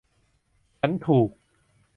ฉันถูก